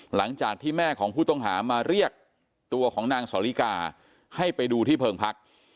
หลังจากที่แม่ของผู้ต้องหามาเรียกตัวของนางสอลิกาให้ไปดูที่เพิงพัก